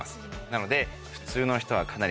なので。